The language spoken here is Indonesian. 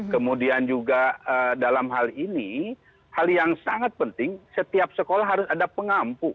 kemudian juga dalam hal ini hal yang sangat penting setiap sekolah harus ada pengampu